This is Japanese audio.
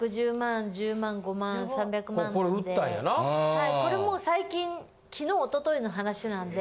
はいこれもう最近昨日おとといの話なんで。